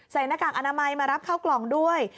หน้ากากอนามัยมารับเข้ากล่องด้วย